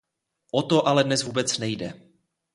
O to ale dnes vůbec nejde.